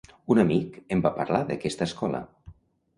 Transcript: Un amic em va parlar d'aquesta escola.